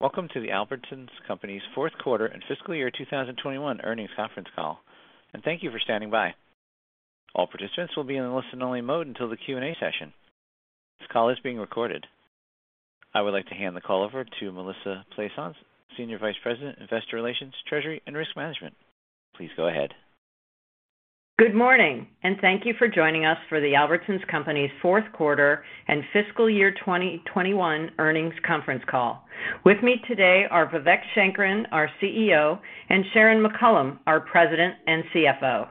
Welcome to the Albertsons Companies' fourth quarter and fiscal year 2021 earnings conference call. Thank you for standing by. All participants will be in a listen-only mode until the Q&A session. This call is being recorded. I would like to hand the call over to Melissa Plaisance, Senior Vice President, Investor Relations, Treasury, and Risk Management. Please go ahead. Good morning, and thank you for joining us for the Albertsons Companies' fourth quarter and fiscal year 2021 earnings conference call. With me today are Vivek Sankaran, our CEO, and Sharon McCollam, our President and CFO.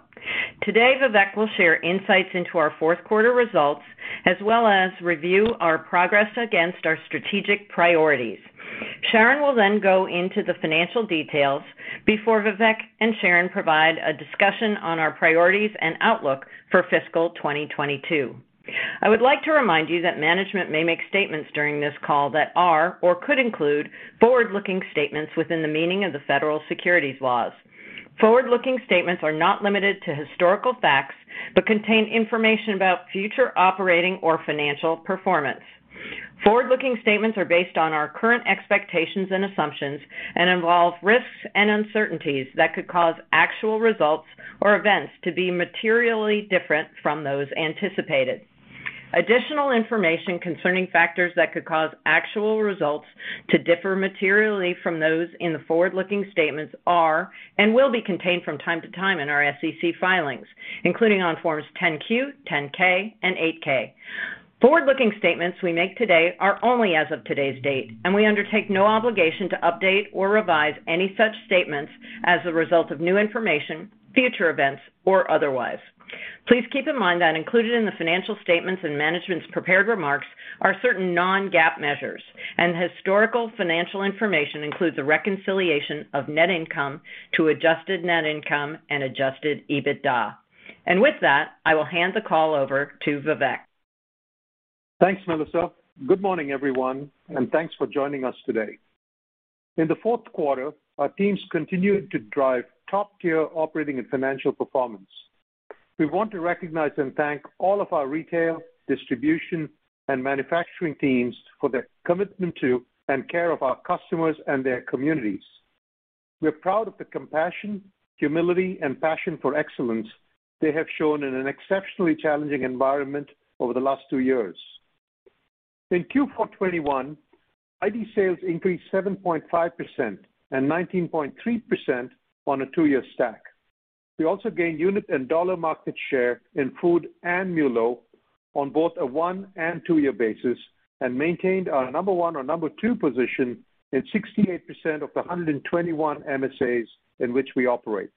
Today, Vivek will share insights into our fourth quarter results, as well as review our progress against our strategic priorities. Sharon will then go into the financial details before Vivek and Sharon provide a discussion on our priorities and outlook for fiscal 2022. I would like to remind you that management may make statements during this call that are or could include forward-looking statements within the meaning of the federal securities laws. Forward-looking statements are not limited to historical facts, but contain information about future operating or financial performance. Forward-looking statements are based on our current expectations and assumptions and involve risks and uncertainties that could cause actual results or events to be materially different from those anticipated. Additional information concerning factors that could cause actual results to differ materially from those in the forward-looking statements are and will be contained from time to time in our SEC filings, including on Forms 10-Q, 10-K, and 8-K. Forward-looking statements we make today are only as of today's date, and we undertake no obligation to update or revise any such statements as a result of new information, future events, or otherwise. Please keep in mind that included in the financial statements and management's prepared remarks are certain non-GAAP measures, and historical financial information includes a reconciliation of net income to adjusted net income and adjusted EBITDA. With that, I will hand the call over to Vivek. Thanks, Melissa. Good morning, everyone, and thanks for joining us today. In the fourth quarter, our teams continued to drive top-tier operating and financial performance. We want to recognize and thank all of our retail, distribution, and manufacturing teams for their commitment to and care of our customers and their communities. We're proud of the compassion, humility, and passion for excellence they have shown in an exceptionally challenging environment over the last two years. In Q4 2021, ID sales increased 7.5% and 19.3% on a two-year stack. We also gained unit and dollar market share in food and MULO on both a one- and two-year basis and maintained our number one or number two position in 68% of the 121 MSAs in which we operate.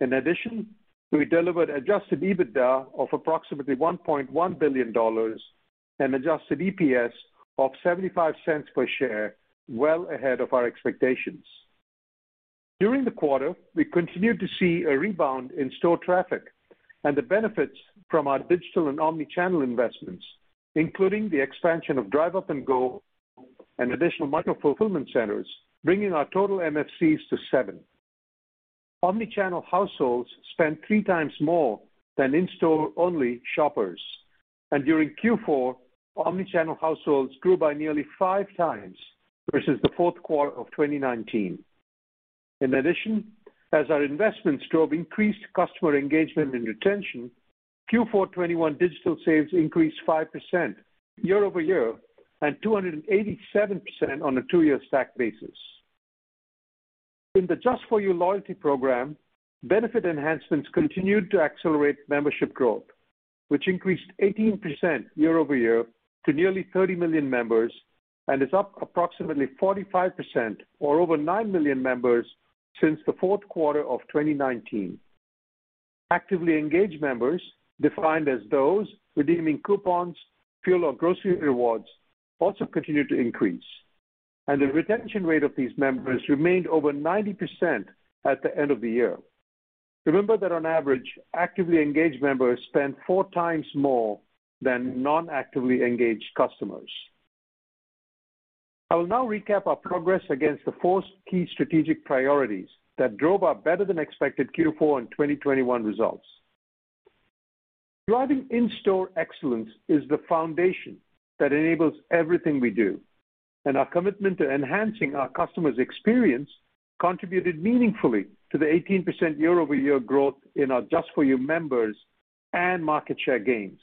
In addition, we delivered adjusted EBITDA of approximately $1.1 billion and adjusted EPS of $0.75 per share, well ahead of our expectations. During the quarter, we continued to see a rebound in store traffic and the benefits from our digital and omnichannel investments, including the expansion of Drive Up & Go and additional micro-fulfillment centers, bringing our total MFCs to seven. Omnichannel households spend 3 times more than in-store-only shoppers. During Q4, omnichannel households grew by nearly 5x versus the fourth quarter of 2019. In addition, as our investments drove increased customer engagement and retention, Q4 2021 digital sales increased 5% year-over-year and 287% on a two-year stack basis. In the just for U loyalty program, benefit enhancements continued to accelerate membership growth, which increased 18% year-over-year to nearly 30 million members and is up approximately 45% or over 9 million members since the fourth quarter of 2019. Actively engaged members, defined as those redeeming coupons, fuel, or grocery rewards, also continued to increase, and the retention rate of these members remained over 90% at the end of the year. Remember that on average, actively engaged members spend four times more than non-actively engaged customers. I will now recap our progress against the four key strategic priorities that drove our better-than-expected Q4 2021 results. Driving in-store excellence is the foundation that enables everything we do, and our commitment to enhancing our customers' experience contributed meaningfully to the 18% year-over-year growth in our just for U members and market share gains.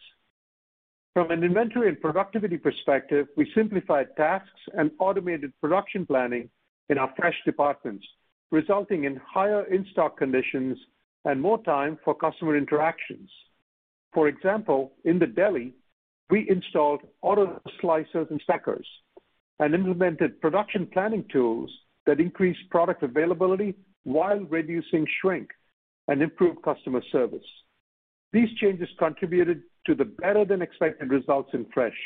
From an inventory and productivity perspective, we simplified tasks and automated production planning in our fresh departments, resulting in higher in-stock conditions and more time for customer interactions. For example, in the deli, we installed auto slicers and stackers and implemented production planning tools that increase product availability while reducing shrink and improve customer service. These changes contributed to the better-than-expected results in fresh.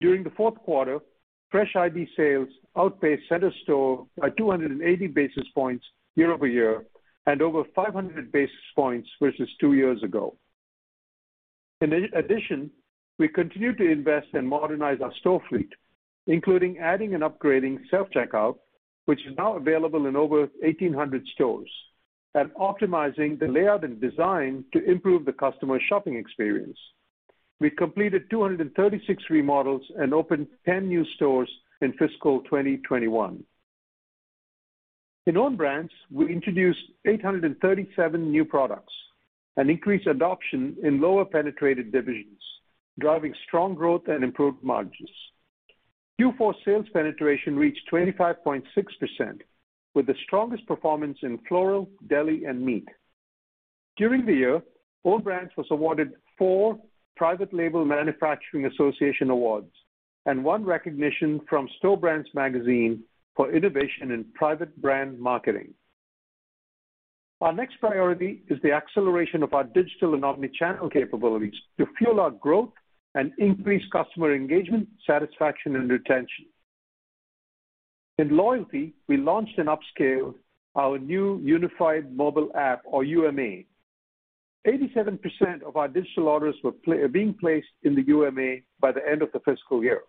During the fourth quarter, fresh ID sales outpaced center store by 280 basis points year-over-year and over 500 basis points versus two years ago. In addition, we continue to invest and modernize our store fleet, including adding and upgrading self-checkout, which is now available in over 1,800 stores, and optimizing the layout and design to improve the customer shopping experience. We completed 236 remodels and opened 10 new stores in fiscal 2021. In Own Brands, we introduced 837 new products and increased adoption in lower penetrated divisions, driving strong growth and improved margins. Q4 sales penetration reached 25.6% with the strongest performance in floral, deli, and meat. During the year, Own Brands was awarded four Private Label Manufacturers Association awards and one recognition from Store Brands Magazine for Innovation in Private Brand Marketing. Our next priority is the acceleration of our digital and omni-channel capabilities to fuel our growth and increase customer engagement, satisfaction, and retention. In loyalty, we launched and upscaled our new unified mobile app or UMA. 87% of our digital orders are being placed in the UMA by the end of the fiscal year.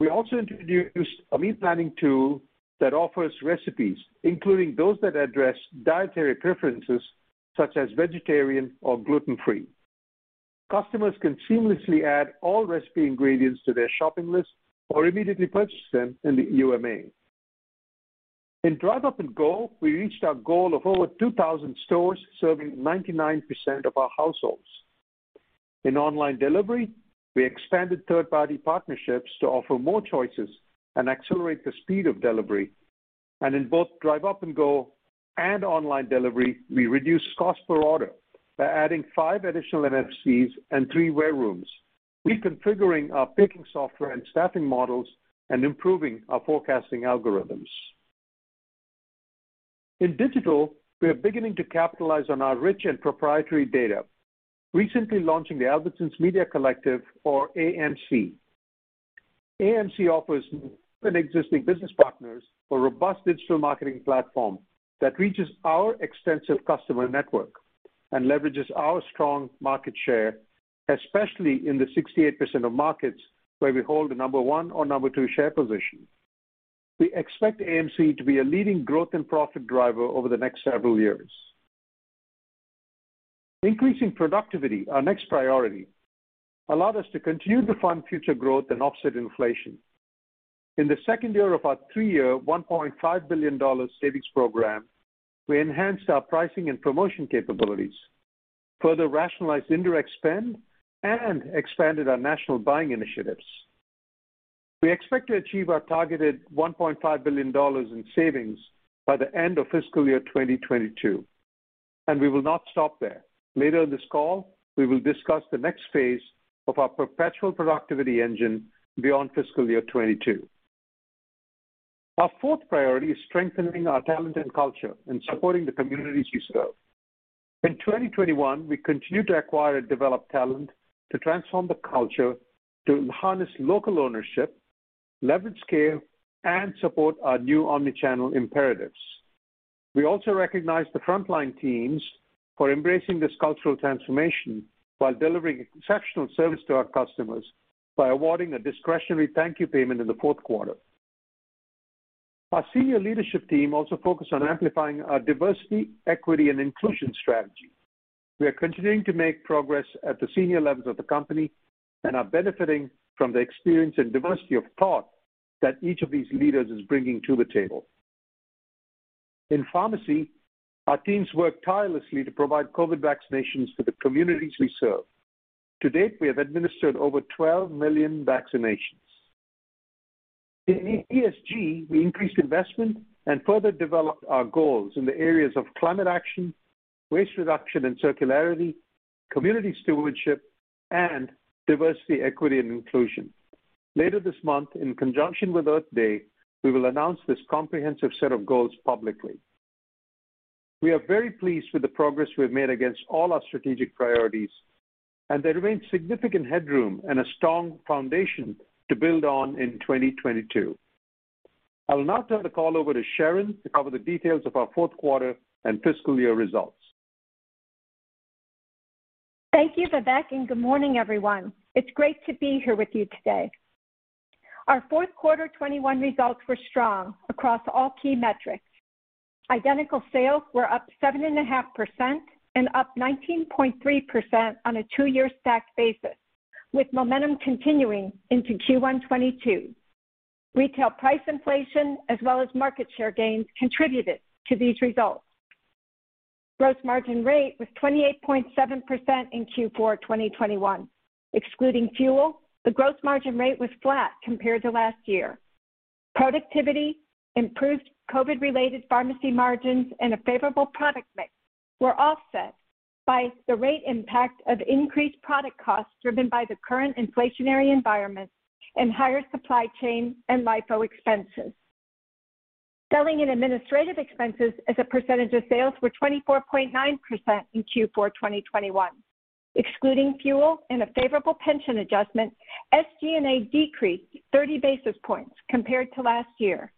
We also introduced a meal planning tool that offers recipes, including those that address dietary preferences such as vegetarian or gluten-free. Customers can seamlessly add all recipe ingredients to their shopping list or immediately purchase them in the UMA. In Drive Up & Go, we reached our goal of over 2,000 stores serving 99% of our households. In online delivery, we expanded third-party partnerships to offer more choices and accelerate the speed of delivery. In both Drive Up & Go and online delivery, we reduced cost per order by adding five additional MFCs and three warerooms, reconfiguring our picking software and staffing models, and improving our forecasting algorithms. In digital, we are beginning to capitalize on our rich and proprietary data, recently launching the Albertsons Media Collective or AMC. AMC offers new and existing business partners a robust digital marketing platform that reaches our extensive customer network and leverages our strong market share, especially in the 68% of markets where we hold the number one or number two share position. We expect AMC to be a leading growth and profit driver over the next several years. Increasing productivity, our next priority, allowed us to continue to fund future growth and offset inflation. In the second year of our three-year, $1.5 billion savings program, we enhanced our pricing and promotion capabilities, further rationalized indirect spend and expanded our national buying initiatives. We expect to achieve our targeted $1.5 billion in savings by the end of fiscal year 2022, and we will not stop there. Later in this call, we will discuss the next phase of our perpetual productivity engine beyond fiscal year 2022. Our fourth priority is strengthening our talent and culture and supporting the communities we serve. In 2021, we continued to acquire and develop talent to transform the culture to harness local ownership, leverage scale, and support our new omni-channel imperatives. We also recognize the frontline teams for embracing this cultural transformation while delivering exceptional service to our customers by awarding a discretionary thank you payment in the fourth quarter. Our senior leadership team also focused on amplifying our diversity, equity, and inclusion strategy. We are continuing to make progress at the senior levels of the company and are benefiting from the experience and diversity of thought that each of these leaders is bringing to the table. In pharmacy, our teams worked tirelessly to provide COVID vaccinations to the communities we serve. To date, we have administered over 12 million vaccinations. In ESG, we increased investment and further developed our goals in the areas of climate action, waste reduction and circularity, community stewardship, and diversity, equity, and inclusion. Later this month, in conjunction with Earth Day, we will announce this comprehensive set of goals publicly. We are very pleased with the progress we have made against all our strategic priorities, and there remains significant headroom and a strong foundation to build on in 2022. I will now turn the call over to Sharon to cover the details of our fourth quarter and fiscal year results. Thank you, Vivek, and good morning, everyone. It's great to be here with you today. Our fourth quarter 2021 results were strong across all key metrics. Identical sales were up 7.5% and up 19.3% on a two-year stacked basis, with momentum continuing into Q1 2022. Retail price inflation as well as market share gains contributed to these results. Gross margin rate was 28.7% in Q4 2021. Excluding fuel, the gross margin rate was flat compared to last year. Productivity, improved COVID-related pharmacy margins, and a favorable product mix were offset by the rate impact of increased product costs driven by the current inflationary environment and higher supply chain and LIFO expenses. Selling and administrative expenses as a percentage of sales were 24.9% in Q4 2021. Excluding fuel and a favorable pension adjustment, SG&A decreased 30 basis points compared to last year.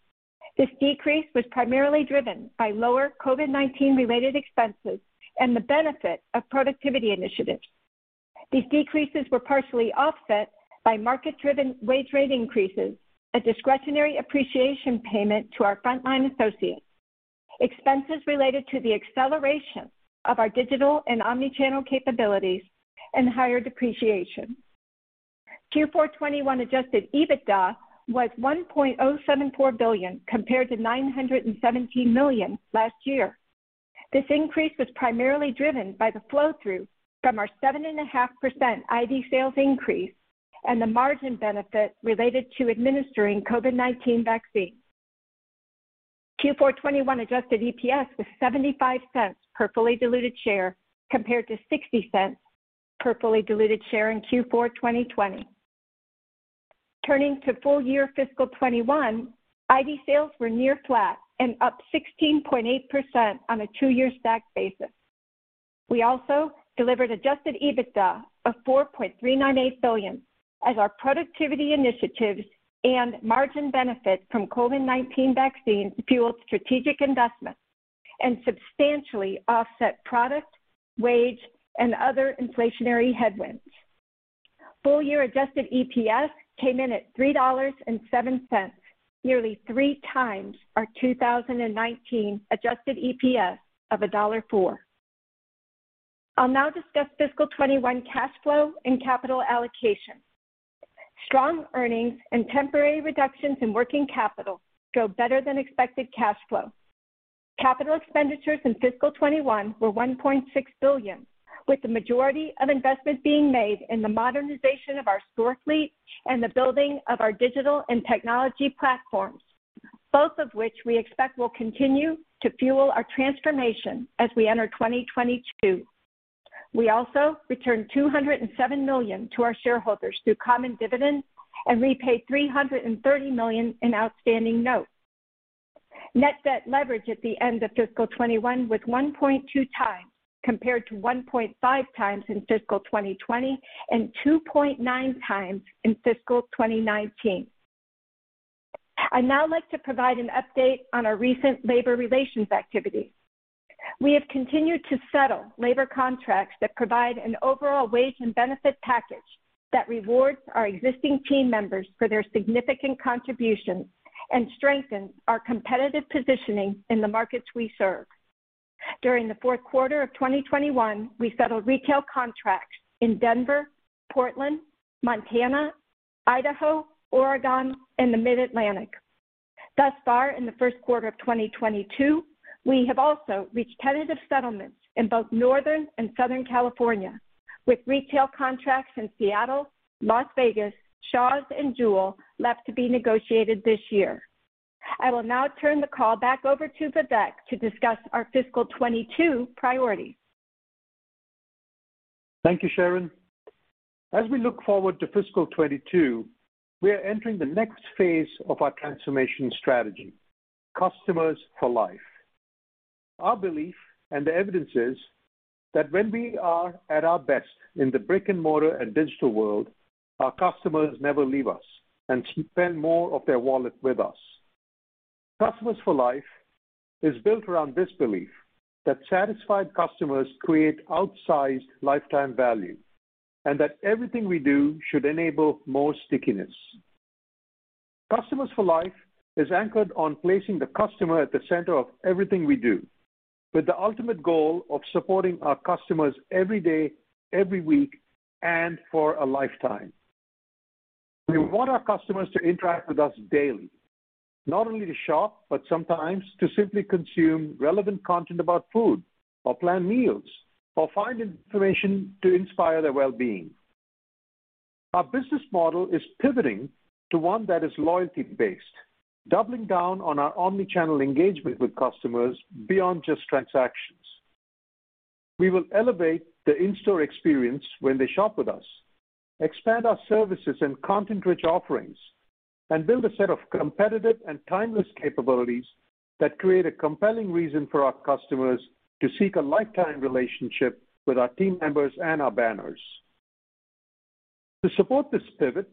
This decrease was primarily driven by lower COVID-19 related expenses and the benefit of productivity initiatives. These decreases were partially offset by market-driven wage rate increases, a discretionary appreciation payment to our frontline associates, expenses related to the acceleration of our digital and omni-channel capabilities and higher depreciation. Q4 2021 adjusted EBITDA was $1.074 billion compared to $917 million last year. This increase was primarily driven by the flow through from our 7.5% ID sales increase and the margin benefit related to administering COVID-19 vaccine. Q4 2021 adjusted EPS was $0.75 per fully diluted share, compared to $0.60 per fully diluted share in Q4 2020. Turning to full year fiscal 2021, ID sales were near flat and up 16.8% on a two-year stack basis. We also delivered adjusted EBITDA of $4.398 billion as our productivity initiatives and margin benefit from COVID-19 vaccine fueled strategic investments and substantially offset product, wage and other inflationary headwinds. Full year adjusted EPS came in at $3.07, nearly 3x our 2019 adjusted EPS of $1.04. I'll now discuss fiscal 2021 cash flow and capital allocation. Strong earnings and temporary reductions in working capital show better than expected cash flow. Capital expenditures in fiscal 2021 were $1.6 billion, with the majority of investments being made in the modernization of our store fleet and the building of our digital and technology platforms, both of which we expect will continue to fuel our transformation as we enter 2022. We also returned $207 million to our shareholders through common dividends and repaid $330 million in outstanding notes. Net debt leverage at the end of fiscal 2021 was 1.2x, compared to 1.5 x in fiscal 2020 and 2.9x in fiscal 2019. I'd now like to provide an update on our recent labor relations activity. We have continued to settle labor contracts that provide an overall wage and benefit package that rewards our existing team members for their significant contributions and strengthens our competitive positioning in the markets we serve. During the fourth quarter of 2021, we settled retail contracts in Denver, Portland, Montana, Idaho, Oregon, and the Mid-Atlantic. Thus far in the first quarter of 2022, we have also reached tentative settlements in both Northern and Southern California, with retail contracts in Seattle, Las Vegas, Shaw's and Jewel-Osco left to be negotiated this year. I will now turn the call back over to Vivek to discuss our fiscal 2022 priorities. Thank you, Sharon. As we look forward to fiscal 2022, we are entering the next phase of our transformation strategy, Customers for Life. Our belief and the evidence is that when we are at our best in the brick-and-mortar and digital world, our customers never leave us and spend more of their wallet with us. Customers for Life is built around this belief that satisfied customers create outsized lifetime value, and that everything we do should enable more stickiness. Customers for Life is anchored on placing the customer at the center of everything we do, with the ultimate goal of supporting our customers every day, every week, and for a lifetime. We want our customers to interact with us daily, not only to shop, but sometimes to simply consume relevant content about food or plan meals or find information to inspire their well-being. Our business model is pivoting to one that is loyalty based, doubling down on our omni-channel engagement with customers beyond just transactions. We will elevate the in-store experience when they shop with us, expand our services and content-rich offerings, and build a set of competitive and timeless capabilities that create a compelling reason for our customers to seek a lifetime relationship with our team members and our banners. To support this pivot,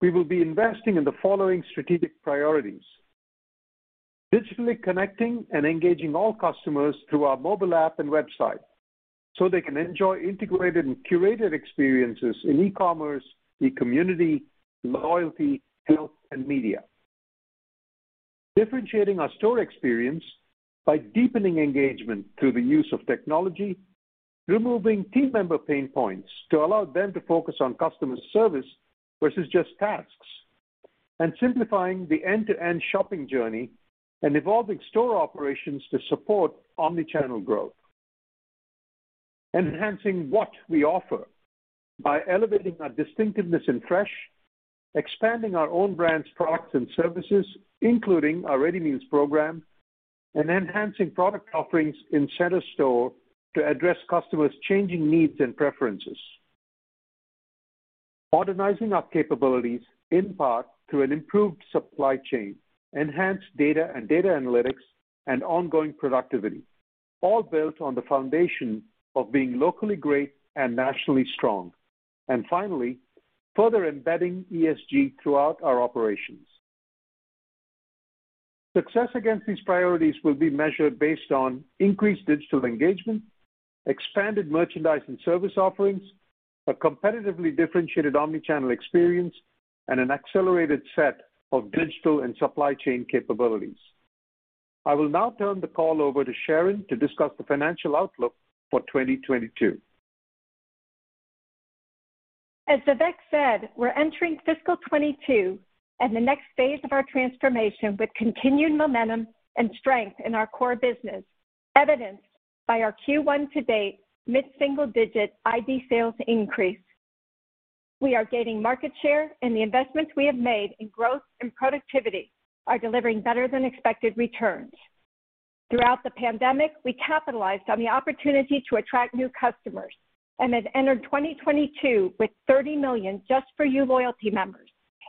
we will be investing in the following strategic priorities, digitally connecting and engaging all customers through our mobile app and website so they can enjoy integrated and curated experiences in e-commerce, e-community, loyalty, health, and media, differentiating our store experience by deepening engagement through the use of technology, removing team member pain points to allow them to focus on customer service versus just tasks, and simplifying the end-to-end shopping journey and evolving store operations to support omni-channel growth. Enhancing what we offer by elevating our distinctiveness in fresh, expanding our own brands, products, and services, including our ReadyMeals program, and enhancing product offerings in center store to address customers' changing needs and preferences. Modernizing our capabilities, in part through an improved supply chain, enhanced data and data analytics and ongoing productivity, all built on the foundation of being locally great and nationally strong. Finally, further embedding ESG throughout our operations. Success against these priorities will be measured based on increased digital engagement, expanded merchandise and service offerings, a competitively differentiated omni-channel experience, and an accelerated set of digital and supply chain capabilities. I will now turn the call over to Sharon to discuss the financial outlook for 2022. As Vivek said, we're entering fiscal 2022 and the next phase of our transformation with continued momentum and strength in our core business, evidenced by our Q1 to-date mid-single-digit ID sales increase. We are gaining market share, and the investments we have made in growth and productivity are delivering better than expected returns. Throughout the pandemic, we capitalized on the opportunity to attract new customers and have entered 2022 with 30 million just for U loyalty members,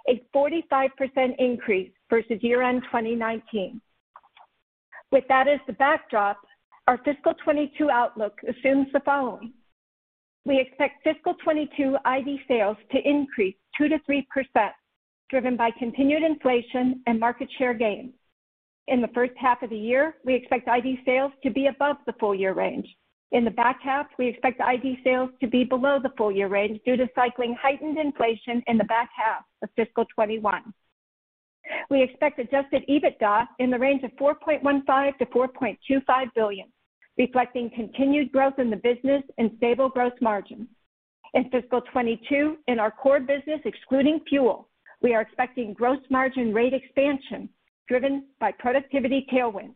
a 45% increase versus year-end 2019. With that as the backdrop, our fiscal 2022 outlook assumes the following. We expect fiscal 2022 ID sales to increase 2%-3%, driven by continued inflation and market share gains. In the first half of the year, we expect ID sales to be above the full year range. In the back half, we expect ID sales to be below the full year range due to cycling heightened inflation in the back half of fiscal 2021. We expect adjusted EBITDA in the range of $4.15 billion-$4.25 billion, reflecting continued growth in the business and stable growth margins. In fiscal 2022, in our core business excluding fuel, we are expecting gross margin rate expansion driven by productivity tailwinds.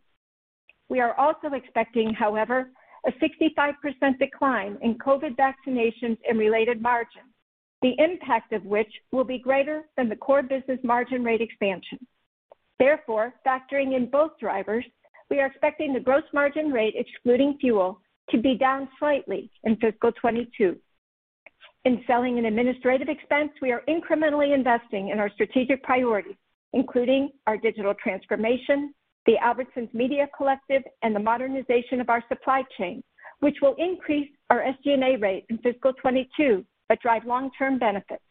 We are also expecting, however, a 65% decline in COVID vaccinations and related margins, the impact of which will be greater than the core business margin rate expansion. Therefore, factoring in both drivers, we are expecting the gross margin rate excluding fuel to be down slightly in fiscal 2022. In selling and administrative expense, we are incrementally investing in our strategic priorities, including our digital transformation, the Albertsons Media Collective, and the modernization of our supply chain, which will increase our SG&A rate in fiscal 2022, but drive long-term benefits.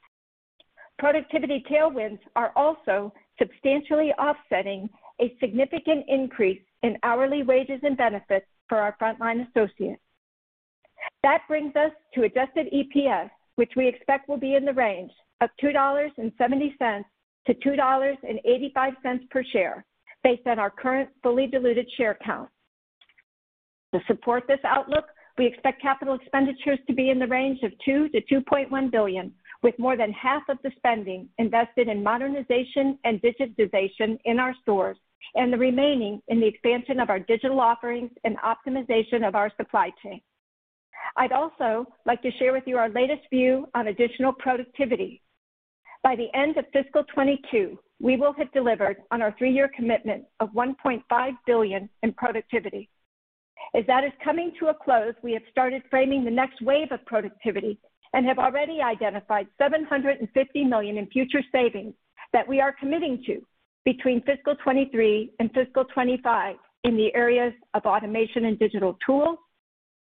Productivity tailwinds are also substantially offsetting a significant increase in hourly wages and benefits for our frontline associates. That brings us to adjusted EPS, which we expect will be in the range of $2.70-$2.85 per share based on our current fully diluted share count. To support this outlook, we expect capital expenditures to be in the range of $2 billion-$2.1 billion, with more than half of the spending invested in modernization and digitization in our stores and the remaining in the expansion of our digital offerings and optimization of our supply chain. I'd also like to share with you our latest view on additional productivity. By the end of fiscal 2022, we will have delivered on our three-year commitment of $1.5 billion in productivity. As that is coming to a close, we have started framing the next wave of productivity and have already identified $750 million in future savings that we are committing to between fiscal 2023 and fiscal 2025 in the areas of automation and digital tools,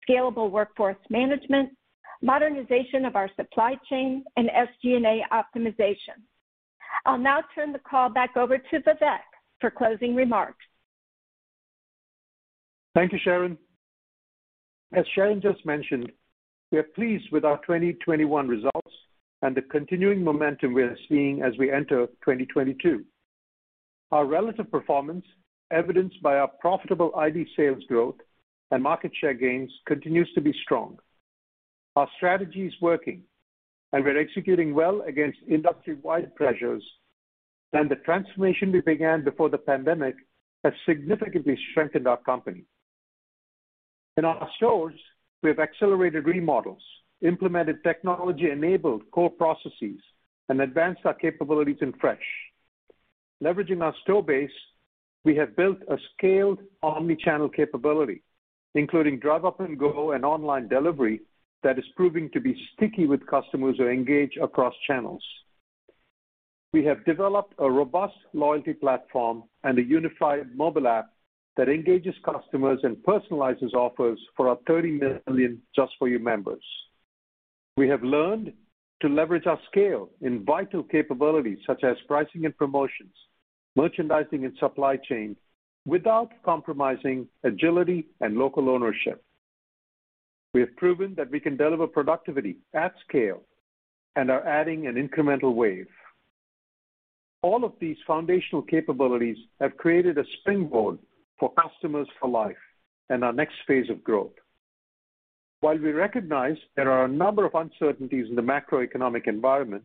scalable workforce management, modernization of our supply chain, and SG&A optimization. I'll now turn the call back over to Vivek for closing remarks. Thank you, Sharon. As Sharon just mentioned, we are pleased with our 2021 results and the continuing momentum we are seeing as we enter 2022. Our relative performance, evidenced by our profitable ID sales growth and market share gains, continues to be strong. Our strategy is working, and we're executing well against industry-wide pressures. The transformation we began before the pandemic has significantly strengthened our company. In our stores, we have accelerated remodels, implemented technology-enabled core processes, and advanced our capabilities in fresh. Leveraging our store base, we have built a scaled omni-channel capability, including Drive Up & Go and online delivery that is proving to be sticky with customers who engage across channels. We have developed a robust loyalty platform and a unified mobile app that engages customers and personalizes offers for our 30 million just for U members. We have learned to leverage our scale in vital capabilities such as pricing and promotions, merchandising, and supply chain without compromising agility and local ownership. We have proven that we can deliver productivity at scale and are adding an incremental wave. All of these foundational capabilities have created a springboard for Customers for Life and our next phase of growth. While we recognize there are a number of uncertainties in the macroeconomic environment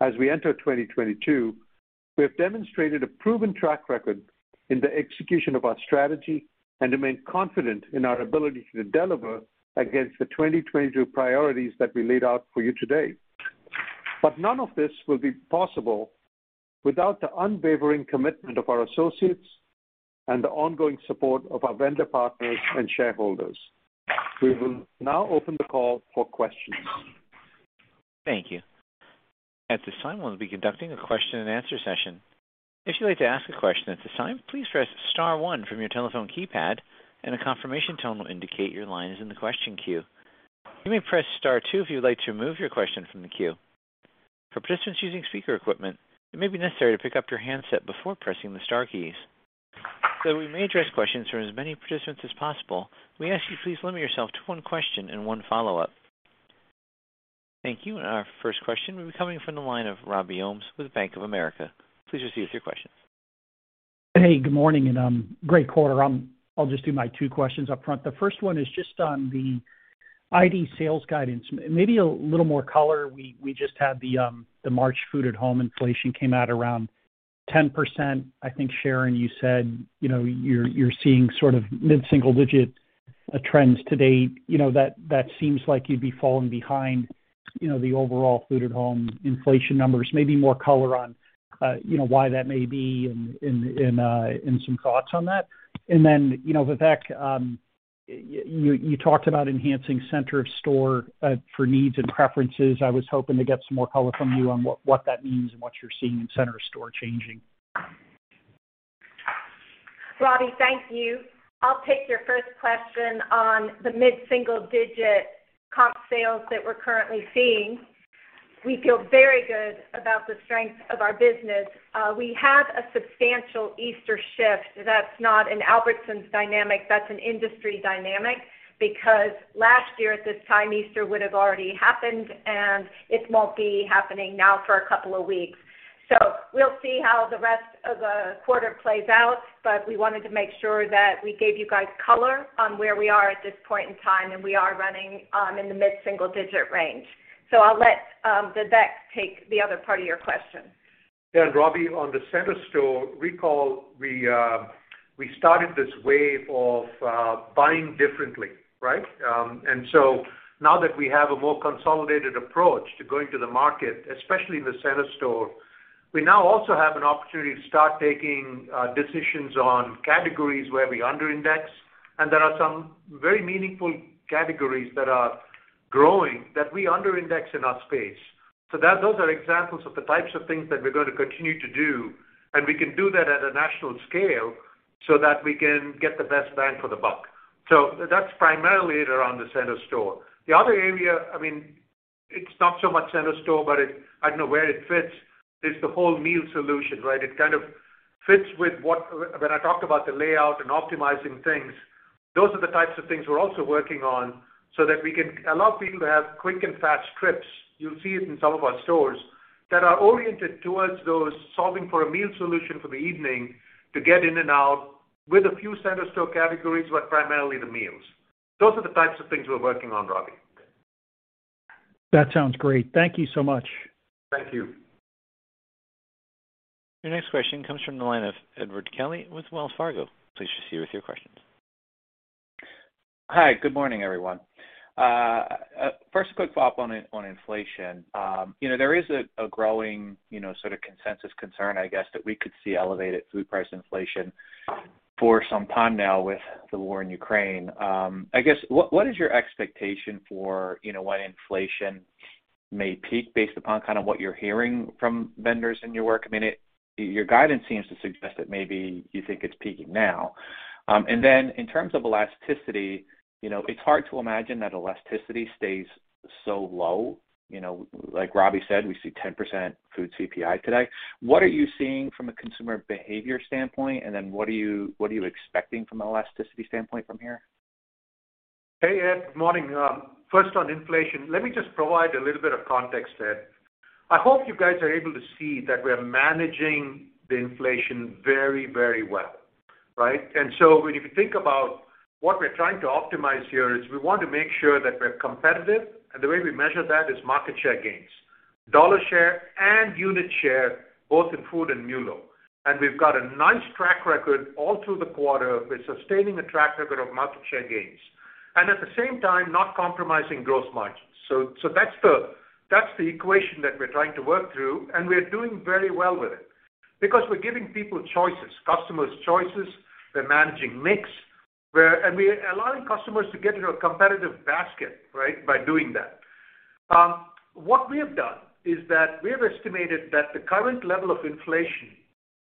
as we enter 2022, we have demonstrated a proven track record in the execution of our strategy and remain confident in our ability to deliver against the 2022 priorities that we laid out for you today. None of this will be possible without the unwavering commitment of our associates and the ongoing support of our vendor partners and shareholders. We will now open the call for questions. Thank you. At this time, we'll be conducting a question and answer session. If you'd like to ask a question at this time, please press star one from your telephone keypad and a confirmation tone will indicate your line is in the question queue. You may press star two if you'd like to remove your question from the queue. For participants using speaker equipment, it may be necessary to pick up your handset before pressing the star keys. We may address questions from as many participants as possible. We ask you please limit yourself to one question and one follow-up. Thank you. Our first question will be coming from the line of Robby Ohmes with Bank of America. Please proceed with your question. Hey, good morning and great quarter. I'll just do my two questions up front. The first one is just on the ID sales guidance, maybe a little more color. We just had the March food at home inflation came out around 10%. I think, Sharon, you said, you know, you're seeing sort of mid-single digit trends to date. You know, that seems like you'd be falling behind, you know, the overall food at home inflation numbers. Maybe more color on, you know, why that may be and some thoughts on that. Then, you know, Vivek, you talked about enhancing center of store for needs and preferences. I was hoping to get some more color from you on what that means and what you're seeing in center of store changing. Robby, thank you. I'll take your first question on the mid-single digit comp sales that we're currently seeing. We feel very good about the strength of our business. We have a substantial Easter shift. That's not an Albertsons dynamic, that's an industry dynamic, because last year at this time, Easter would have already happened, and it won't be happening now for a couple of weeks. We'll see how the rest of the quarter plays out. We wanted to make sure that we gave you guys color on where we are at this point in time, and we are running in the mid-single digit range. I'll let Vivek take the other part of your question. Yeah. Robby, on the center store, recall we started this wave of buying differently, right? Now that we have a more consolidated approach to going to the market, especially in the center store, we now also have an opportunity to start taking decisions on categories where we under index. There are some very meaningful categories that are growing that we under index in our space. Those are examples of the types of things that we're going to continue to do, and we can do that at a national scale so that we can get the best bang for the buck. That's primarily around the center store. The other area, I mean, it's not so much center store, but it, I don't know where it fits, is the whole meal solution, right? It kind of fits with when I talked about the layout and optimizing things, those are the types of things we're also working on so that we can allow people to have quick and fast trips. You'll see it in some of our stores that are oriented towards those solving for a meal solution for the evening to get in and out with a few center store categories, but primarily the meals. Those are the types of things we're working on, Robby. That sounds great. Thank you so much. Thank you. Your next question comes from the line of Edward Kelly with Wells Fargo. Please proceed with your questions. Hi. Good morning, everyone. First, a quick follow-up on inflation. You know, there is a growing, you know, sort of consensus concern, I guess, that we could see elevated food price inflation for some time now with the war in Ukraine. I guess what is your expectation for, you know, when inflation may peak based upon kind of what you're hearing from vendors in your work? I mean, your guidance seems to suggest that maybe you think it's peaking now. In terms of elasticity, you know, it's hard to imagine that elasticity stays so low. You know, like Robby said, we see 10% food CPI today. What are you seeing from a consumer behavior standpoint? What are you expecting from an elasticity standpoint from here? Hey, Ed. Good morning. First on inflation, let me just provide a little bit of context, Ed. I hope you guys are able to see that we are managing the inflation very, very well, right? When you think about what we're trying to optimize here is we want to make sure that we're competitive. The way we measure that is market share gains, dollar share and unit share, both in food and MULO. We've got a nice track record all through the quarter with sustaining a track record of market share gains. At the same time, not compromising gross margins. So that's the equation that we're trying to work through, and we're doing very well with it because we're giving people choices, customers choices. We're managing mix. We're allowing customers to get into a competitive basket, right, by doing that. What we have done is that we have estimated that the current level of inflation,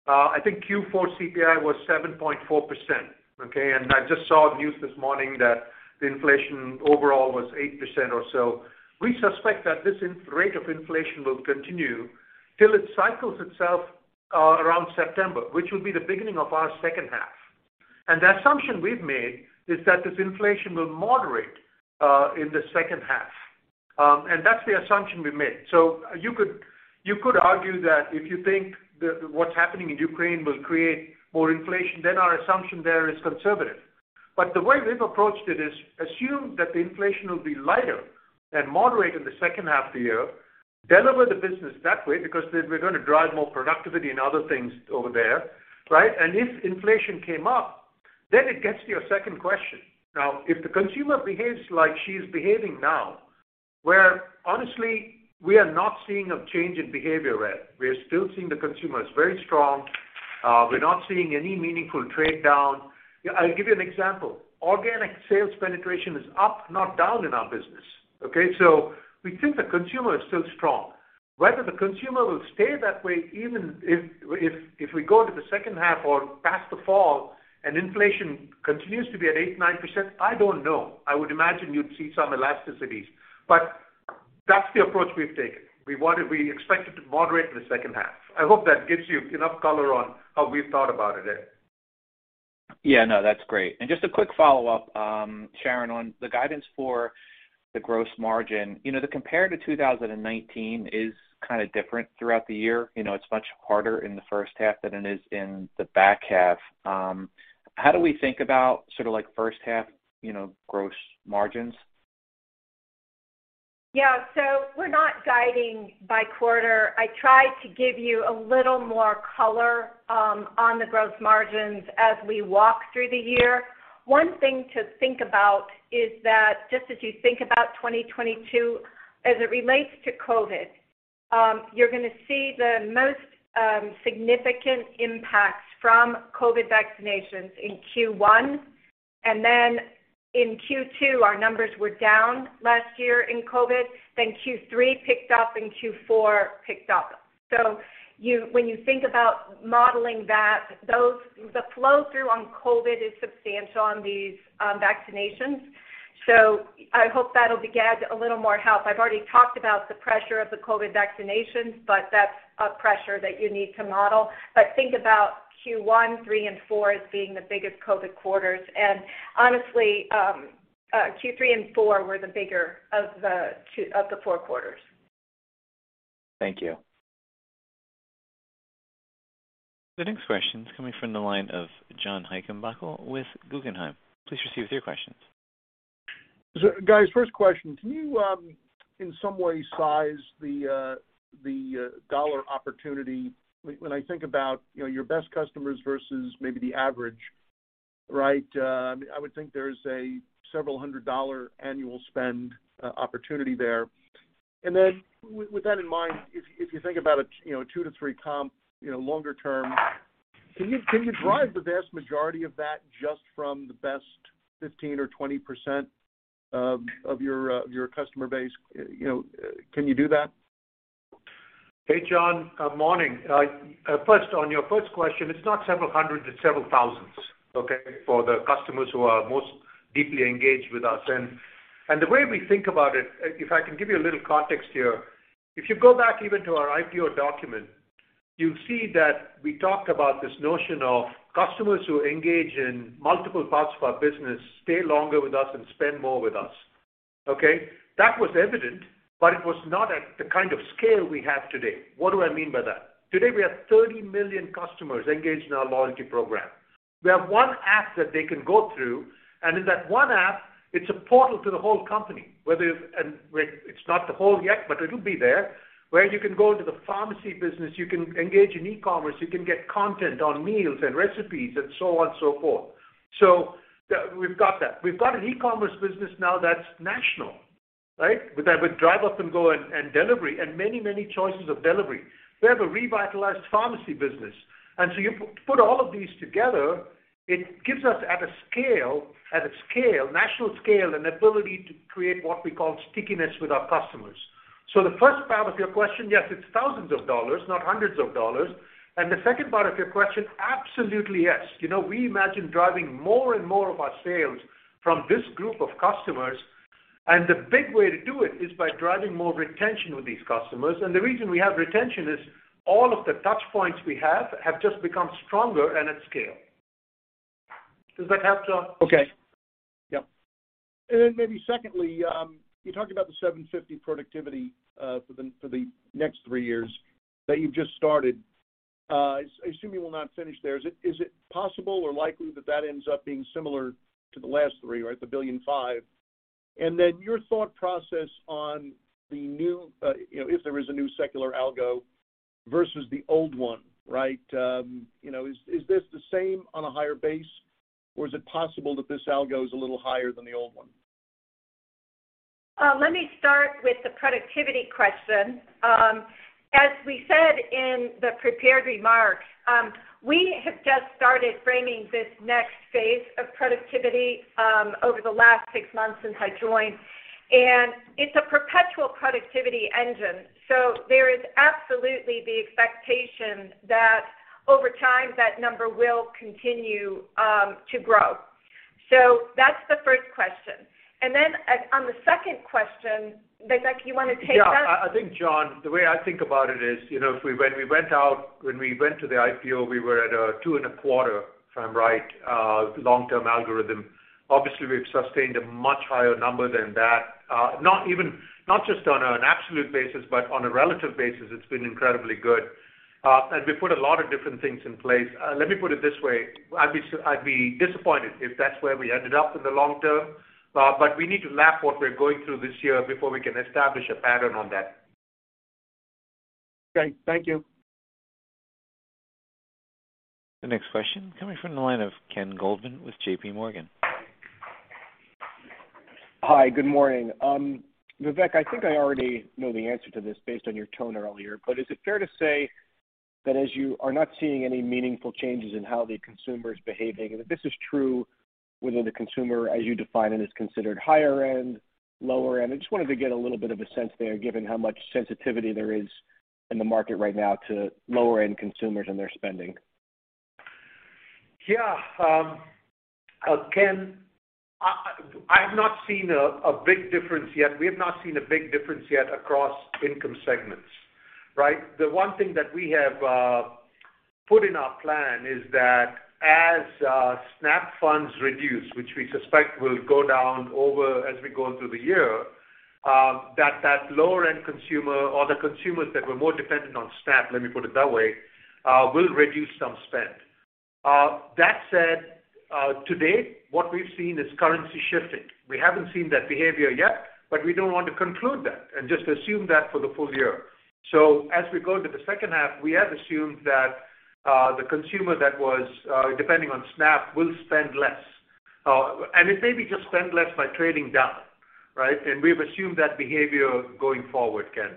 I think Q4 CPI was 7.4%, okay? I just saw news this morning that the inflation overall was 8% or so. We suspect that this rate of inflation will continue till it cycles itself, around September, which will be the beginning of our second half. The assumption we've made is that this inflation will moderate, in the second half. That's the assumption we've made. You could argue that if you think what's happening in Ukraine will create more inflation, then our assumption there is conservative. The way we've approached it is assume that the inflation will be lighter and moderate in the second half of the year, deliver the business that way because we're going to drive more productivity and other things over there, right? If inflation came up, then it gets to your second question. Now, if the consumer behaves like she's behaving now, where honestly, we are not seeing a change in behavior, Ed. We are still seeing the consumer is very strong. We're not seeing any meaningful trade down. I'll give you an example. Organic sales penetration is up, not down in our business, okay? We think the consumer is still strong. Whether the consumer will stay that way, even if we go to the second half or past the fall and inflation continues to be at 8%-9%, I don't know. I would imagine you'd see some elasticities. That's the approach we've taken. We want it, we expect it to moderate in the second half. I hope that gives you enough color on how we've thought about it, Ed. Yeah, no, that's great. Just a quick follow-up, Sharon, on the guidance for the gross margin. You know, the comp to 2019 is kind of different throughout the year. You know, it's much harder in the first half than it is in the back half. How do we think about sort of like first half, you know, gross margins? Yeah. We're not guiding by quarter. I tried to give you a little more color on the gross margins as we walk through the year. One thing to think about is that just as you think about 2022, as it relates to COVID, you're gonna see the most significant impacts from COVID vaccinations in Q1. Then in Q2, our numbers were down last year in COVID, then Q3 picked up, and Q4 picked up. When you think about modeling that, the flow-through on COVID is substantial on these vaccinations. I hope that'll add a little more help. I've already talked about the pressure of the COVID vaccinations, but that's a pressure that you need to model. Think about Q1, Q3, and Q4 as being the biggest COVID quarters. Honestly, Q3 and Q4 were the bigger of the four quarters. Thank you. The next question is coming from the line of John Heinbockel with Guggenheim. Please proceed with your questions. Guys, first question, can you in some way size the dollar opportunity when I think about, you know, your best customers versus maybe the average, right? I would think there's a several hundred-dollar annual spend opportunity there. With that in mind, if you think about a two-three comp longer term, can you drive the vast majority of that just from the best 15% or 20% of your customer base? You know, can you do that? Hey, John. Morning. First on your first question, it's not several hundred, it's several thousands, okay, for the customers who are most deeply engaged with us. The way we think about it, if I can give you a little context here, if you go back even to our IPO document, you'll see that we talked about this notion of customers who engage in multiple parts of our business stay longer with us and spend more with us, okay? That was evident, but it was not at the kind of scale we have today. What do I mean by that? Today, we have 30 million customers engaged in our loyalty program. We have one app that they can go through, and in that one app, it's a portal to the whole company, whether... It's not the whole yet, but it'll be there, where you can go into the pharmacy business, you can engage in e-commerce, you can get content on meals and recipes and so on and so forth. We've got that. We've got an e-commerce business now that's national, right? With that, with Drive Up & Go and delivery and many, many choices of delivery. We have a revitalized pharmacy business. You put all of these together, it gives us at a scale, national scale, an ability to create what we call stickiness with our customers. The first part of your question, yes, it's thousands of dollars, not hundreds of dollars. The second part of your question, absolutely, yes. You know, we imagine driving more and more of our sales from this group of customers. The big way to do it is by driving more retention with these customers. The reason we have retention is all of the touch points we have just become stronger and at scale. Does that capture? Okay. Yeah. Maybe secondly, you talked about the $750 productivity for the next three years that you've just started. I assume you will not finish there. Is it possible or likely that that ends up being similar to the last three, right? The $1.5 billion. Your thought process on the new, you know, if there is a new secular algo versus the old one, right? You know, is this the same on a higher base, or is it possible that this algo is a little higher than the old one? Let me start with the productivity question. As we said in the prepared remarks, we have just started framing this next phase of productivity over the last six months since I joined, and it's a perpetual productivity engine. There is absolutely the expectation that over time, that number will continue to grow. So that's the first question. Then on the second question, Vivek, you wanna take that? Yeah. I think, John, the way I think about it is, you know, when we went to the IPO, we were at $2.25 million, if I'm right, long-term algorithm. Obviously, we've sustained a much higher number than that, not just on an absolute basis, but on a relative basis, it's been incredibly good. We put a lot of different things in place. Let me put it this way. I'd be disappointed if that's where we ended up in the long term, but we need to map what we're going through this year before we can establish a pattern on that. Okay. Thank you. The next question coming from the line of Ken Goldman with JPMorgan. Hi. Good morning. Vivek, I think I already know the answer to this based on your tone earlier, but is it fair to say that as you are not seeing any meaningful changes in how the consumer is behaving, and if this is true, whether the consumer, as you define it, is considered higher end, lower end? I just wanted to get a little bit of a sense there, given how much sensitivity there is in the market right now to lower-end consumers and their spending. Yeah. Ken, I have not seen a big difference yet. We have not seen a big difference yet across income segments, right? The one thing that we have put in our plan is that as SNAP funds reduce, which we suspect will go down over as we go through the year, that lower end consumer or the consumers that were more dependent on SNAP, let me put it that way, will reduce some spend. That said, today, what we've seen is category shifting. We haven't seen that behavior yet, but we don't want to conclude that and just assume that for the full year. As we go into the second half, we have assumed that the consumer that was depending on SNAP will spend less. It may be just spend less by trading down, right? We've assumed that behavior going forward, Ken.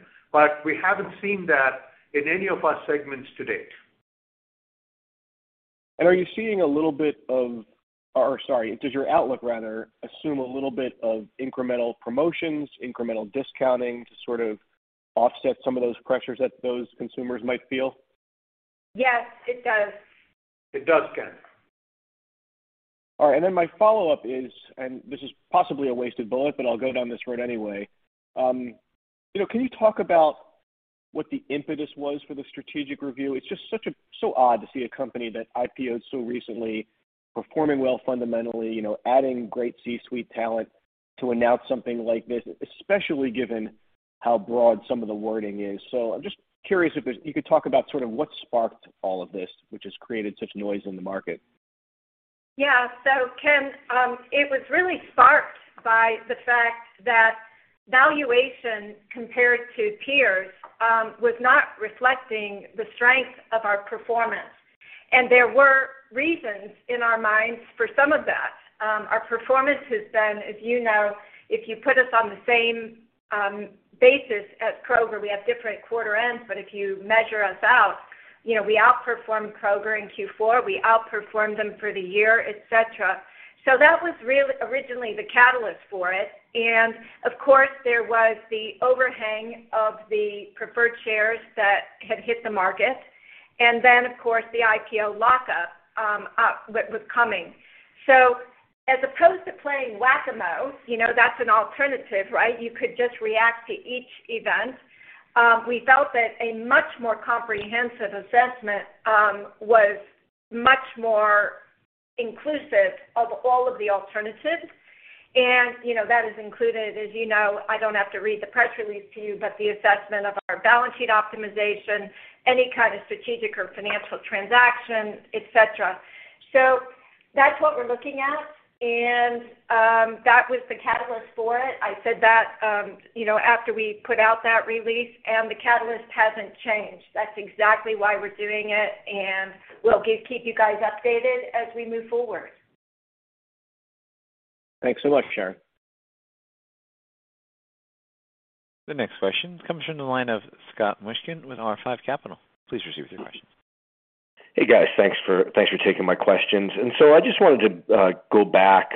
We haven't seen that in any of our segments to date. Does your outlook rather assume a little bit of incremental promotions, incremental discounting to sort of offset some of those pressures that those consumers might feel? Yes, it does. It does, Ken. All right. Then my follow-up is, and this is possibly a wasted bullet, but I'll go down this road anyway. You know, can you talk about what the impetus was for the strategic review? It's just so odd to see a company that IPOd so recently, performing well fundamentally, you know, adding great C-suite talent to announce something like this, especially given how broad some of the wording is. I'm just curious if you could talk about sort of what sparked all of this, which has created such noise in the market. Yeah. Ken, it was really sparked by the fact that valuation compared to peers was not reflecting the strength of our performance. There were reasons in our minds for some of that. Our performance has been, as you know, if you put us on the same basis as Kroger, we have different quarter ends, but if you measure us out, you know, we outperformed Kroger in Q4, we outperformed them for the year, et cetera. That was really the original catalyst for it. Of course, there was the overhang of the preferred shares that had hit the market. Then, of course, the IPO lockup coming up. As opposed to playing Whac-A-Mole, you know, that's an alternative, right? You could just react to each event. We felt that a much more comprehensive assessment was much more inclusive of all of the alternatives. You know, that has included, as you know, I don't have to read the press release to you, but the assessment of our balance sheet optimization, any kind of strategic or financial transaction, et cetera. That's what we're looking at, and that was the catalyst for it. I said that, you know, after we put out that release and the catalyst hasn't changed. That's exactly why we're doing it, and we'll keep you guys updated as we move forward. Thanks so much, Sharon. The next question comes from the line of Scott Mushkin with R5 Capital. Please proceed with your question. Hey, guys. Thanks for taking my questions. I just wanted to go back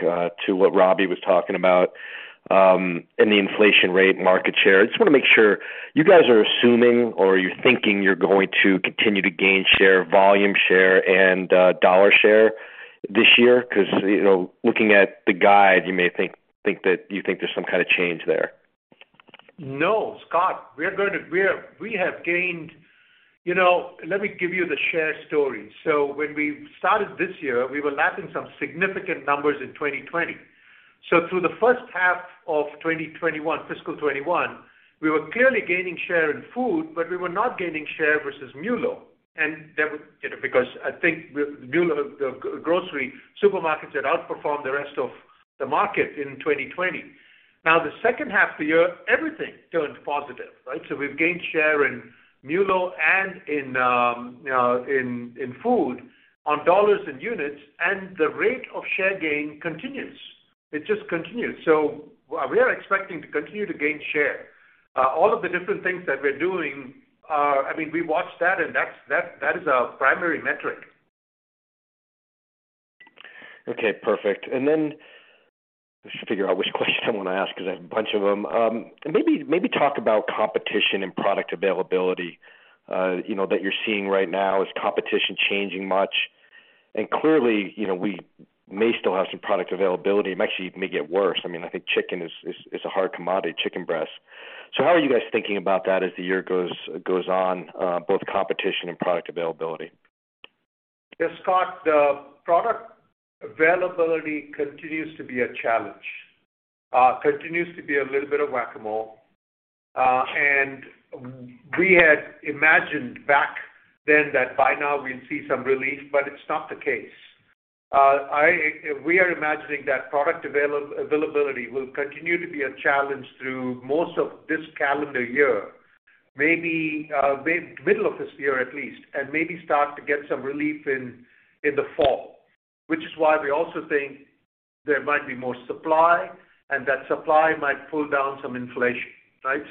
to what Robby was talking about in the inflation, retail market share. I just wanna make sure you guys are assuming or you're thinking you're going to continue to gain share, volume share, and dollar share this year because, you know, looking at the guide, you may think that you think there's some kind of change there. No, Scott. We have gained. You know, let me give you the share story. When we started this year, we were lacking some significant numbers in 2020. Through the first half of 2021, fiscal 2021, we were clearly gaining share in food, but we were not gaining share versus MULO. That was, you know, because I think MULO, the grocery supermarkets had outperformed the rest of the market in 2020. Now, the second half of the year, everything turned positive, right? We've gained share in MULO and in, you know, in food on dollars and units, and the rate of share gain continues. It just continues. We are expecting to continue to gain share. All of the different things that we're doing are. I mean, we watch that and that is our primary metric. Okay, perfect. Then I should figure out which question I want to ask because I have a bunch of them. Maybe talk about competition and product availability, you know, that you're seeing right now. Is competition changing much? Clearly, you know, we may still have some product availability. It might actually may get worse. I mean, I think chicken is a hard commodity, chicken breast. How are you guys thinking about that as the year goes on, both competition and product availability? Yeah, Scott, the product availability continues to be a challenge, continues to be a little bit of Whac-A-Mole. We had imagined back then that by now we'd see some relief, but it's not the case. We are imagining that product availability will continue to be a challenge through most of this calendar year, maybe middle of this year at least, and maybe start to get some relief in the fall, which is why we also think there might be more supply, and that supply might pull down some inflation, right?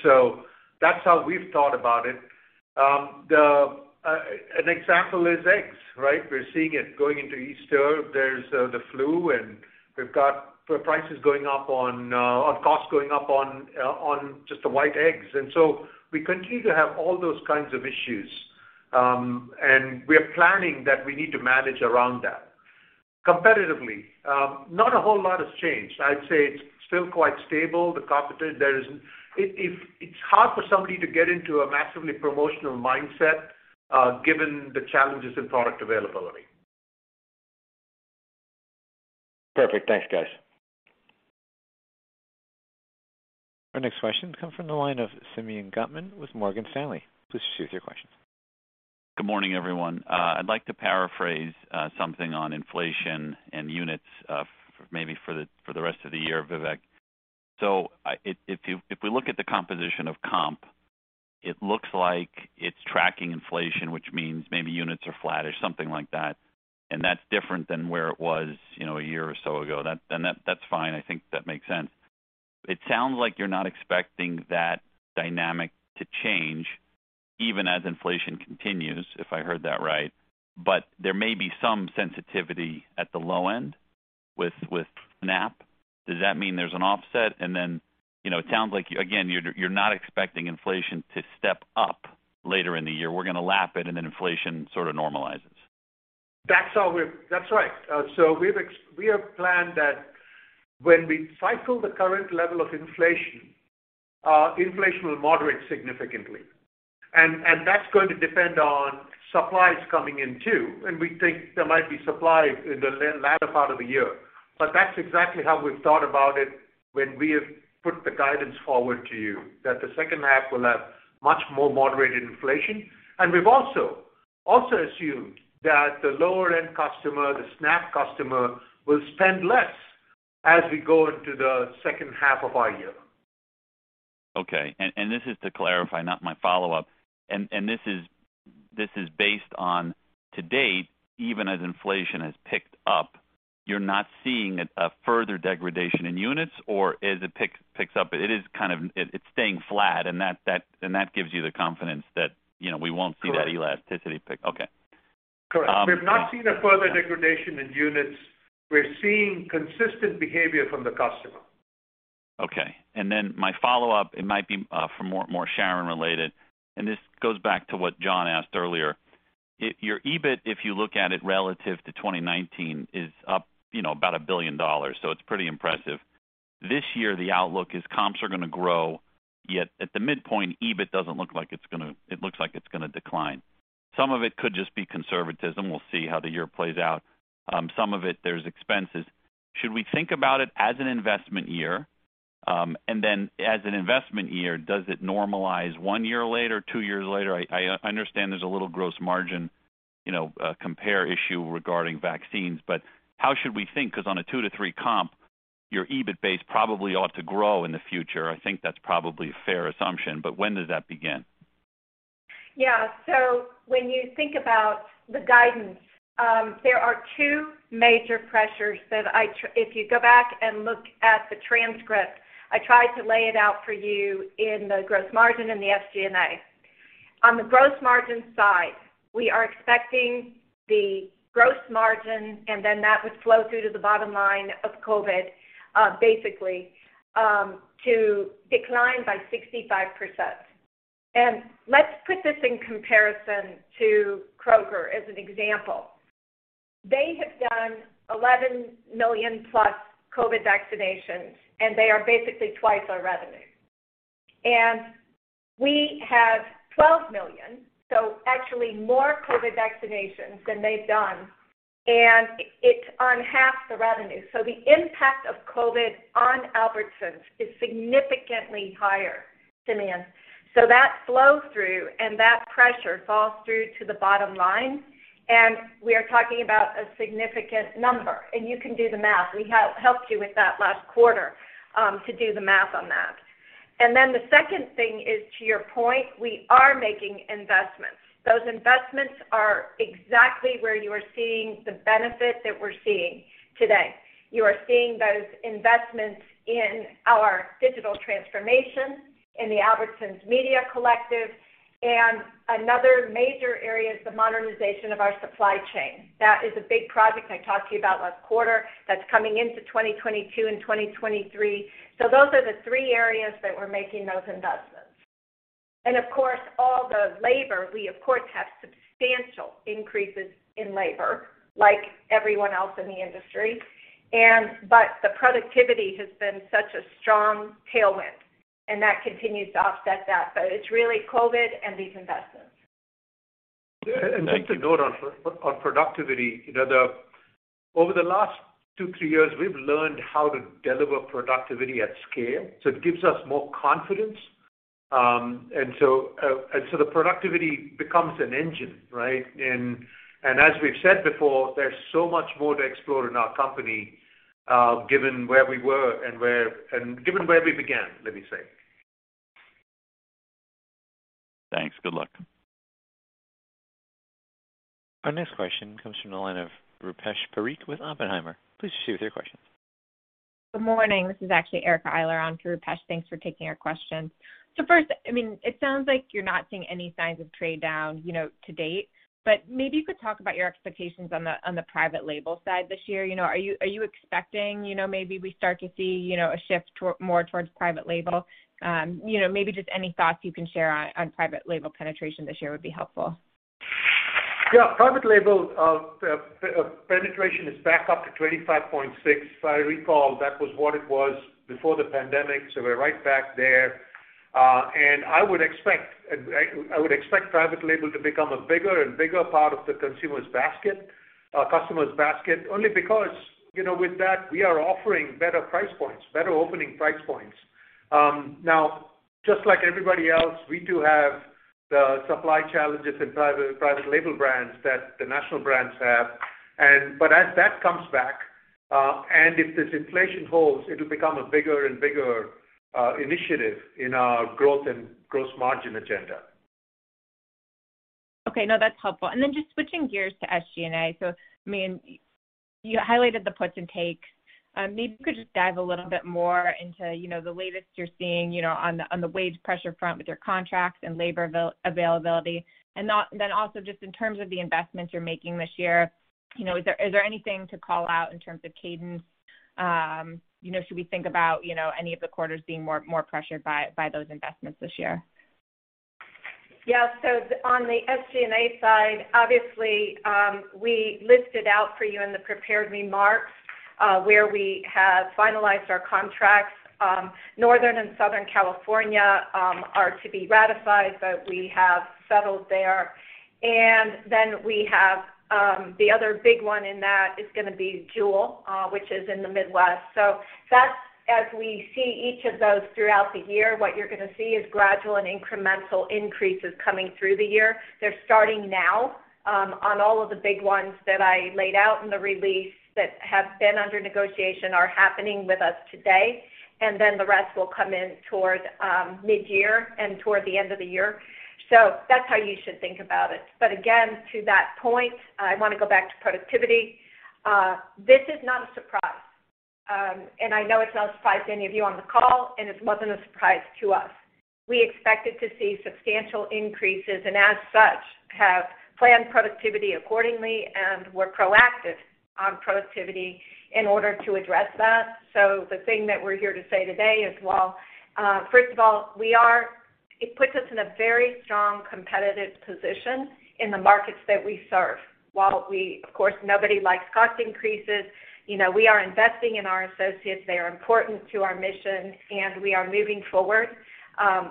That's how we've thought about it. An example is eggs, right? We're seeing it going into Easter. There's the flu, and we've got prices going up on or costs going up on just the white eggs. We continue to have all those kinds of issues, and we are planning that we need to manage around that. Competitively, not a whole lot has changed. I'd say it's still quite stable. It's hard for somebody to get into a massively promotional mindset, given the challenges in product availability. Perfect. Thanks, guys. Our next question comes from the line of Simeon Gutman with Morgan Stanley. Please proceed with your question. Good morning, everyone. I'd like to paraphrase something on inflation and units, maybe for the rest of the year, Vivek. If we look at the composition of comp, it looks like it's tracking inflation, which means maybe units are flattish, something like that, and that's different than where it was, you know, a year or so ago. That's fine. I think that makes sense. It sounds like you're not expecting that dynamic to change even as inflation continues, if I heard that right, but there may be some sensitivity at the low end with SNAP. Does that mean there's an offset? You know, it sounds like, again, you're not expecting inflation to step up later in the year. We're gonna lap it, and then inflation sort of normalizes. That's right. We've planned that when we cycle the current level of inflation will moderate significantly. That's going to depend on supplies coming in too, and we think there might be supply in the latter part of the year. That's exactly how we've thought about it when we have put the guidance forward to you, that the second half will have much more moderated inflation. We've also assumed that the lower end customer, the SNAP customer, will spend less as we go into the second half of our year. Okay. This is to clarify, not my follow-up. This is based on to date, even as inflation has picked up, you're not seeing a further degradation in units, or as it picks up, it's staying flat, and that gives you the confidence that, you know, we won't see. Correct. Okay. Correct. Okay. We've not seen a further degradation in units. We're seeing consistent behavior from the customer. Okay. Then my follow-up, it might be for more Sharon related, and this goes back to what John asked earlier. Your EBIT, if you look at it relative to 2019, is up, you know, about $1 billion, so it's pretty impressive. This year, the outlook is comps are gonna grow, yet at the midpoint, EBIT doesn't look like it's gonna it looks like it's gonna decline. Some of it could just be conservatism. We'll see how the year plays out. Some of it, there's expenses. Should we think about it as an investment year? Then as an investment year, does it normalize one year later, two years later? I understand there's a little gross margin, you know, compare issue regarding vaccines, but how should we think? Because on a 2%-3% comp, your EBIT base probably ought to grow in the future. I think that's probably a fair assumption, but when does that begin? Yeah. When you think about the guidance, there are two major pressures. If you go back and look at the transcript, I tried to lay it out for you in the gross margin and the SG&A. On the gross margin side, we are expecting the gross margin, and then that would flow through to the bottom line of COVID to decline by 65%. Let's put this in comparison to Kroger as an example. They have done 11 million plus COVID vaccinations, and they are basically twice our revenue. We have 12 million, so actually more COVID vaccinations than they've done, and it's on half the revenue. The impact of COVID on Albertsons is significantly higher, Simeon. That flow-through and that pressure falls through to the bottom line, and we are talking about a significant number. You can do the math. We helped you with that last quarter to do the math on that. The second thing is, to your point, we are making investments. Those investments are exactly where you are seeing the benefit that we're seeing today. You are seeing those investments in our digital transformation, in the Albertsons Media Collective, and another major area is the modernization of our supply chain. That is a big project I talked to you about last quarter that's coming into 2022 and 2023. Those are the three areas that we're making those investments. Of course, all the labor, we of course have substantial increases in labor like everyone else in the industry. But the productivity has been such a strong tailwind, and that continues to offset that. It's really COVID and these investments. To note on productivity, you know, over the last two-three years, we've learned how to deliver productivity at scale, so it gives us more confidence. The productivity becomes an engine, right? As we've said before, there's so much more to explore in our company, given where we were and where we began, let me say. Thanks. Good luck. Our next question comes from the line of Rupesh Parikh with Oppenheimer. Please proceed with your question. Good morning. This is actually Erica Eylardi on for Rupesh. Thanks for taking our question. First, I mean, it sounds like you're not seeing any signs of trade down, you know, to date, but maybe you could talk about your expectations on the private label side this year. You know, are you expecting, you know, maybe we start to see, you know, a shift to more towards private label. You know, maybe just any thoughts you can share on private label penetration this year would be helpful. Yeah, private label penetration is back up to 25.6%. If I recall, that was what it was before the pandemic, so we're right back there. I would expect private label to become a bigger and bigger part of the consumer's basket, customer's basket, only because, you know, with that, we are offering better price points, better opening price points. Now, just like everybody else, we do have the supply challenges in private label brands that the national brands have. But as that comes back, and if this inflation holds, it'll become a bigger and bigger initiative in our growth and gross margin agenda. Okay. No, that's helpful. Then just switching gears to SG&A. I mean, you highlighted the puts and takes. Maybe you could just dive a little bit more into, you know, the latest you're seeing, you know, on the wage pressure front with your contracts and labor availability. Then also just in terms of the investments you're making this year, you know, is there anything to call out in terms of cadence? You know, should we think about, you know, any of the quarters being more pressured by those investments this year? On the SG&A side, obviously, we listed out for you in the prepared remarks where we have finalized our contracts. Northern and Southern California are to be ratified, but we have settled there. We have the other big one in that is gonna be Jewel which is in the Midwest. That's as we see each of those throughout the year, what you're gonna see is gradual and incremental increases coming through the year. They're starting now on all of the big ones that I laid out in the release that have been under negotiation are happening with us today. The rest will come in towards mid-year and toward the end of the year. That's how you should think about it. Again, to that point, I wanna go back to productivity. This is not a surprise, and I know it's not a surprise to any of you on the call, and it wasn't a surprise to us. We expected to see substantial increases, and as such, have planned productivity accordingly, and we're proactive on productivity in order to address that. The thing that we're here to say today is, first of all, it puts us in a very strong competitive position in the markets that we serve. While we, of course, nobody likes cost increases, you know, we are investing in our associates. They are important to our mission, and we are moving forward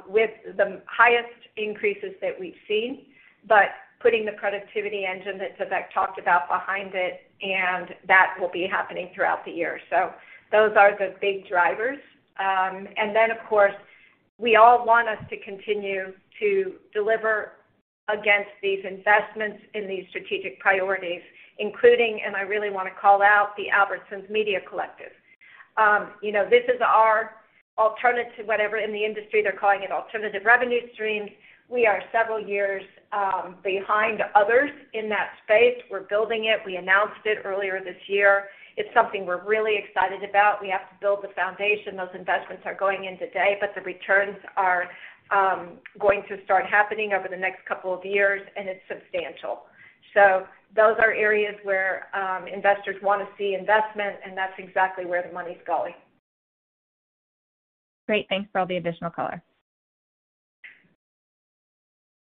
with the highest increases that we've seen. Putting the productivity engine that Vivek talked about behind it, and that will be happening throughout the year. Those are the big drivers. Of course, we all want us to continue to deliver against these investments in these strategic priorities, including, and I really wanna call out the Albertsons Media Collective. You know, this is our alternative, whatever in the industry, they're calling it alternative revenue stream. We are several years behind others in that space. We're building it. We announced it earlier this year. It's something we're really excited about. We have to build the foundation. Those investments are going in today, but the returns are going to start happening over the next couple of years, and it's substantial. So those are areas where investors wanna see investment, and that's exactly where the money's going. Great. Thanks for all the additional color.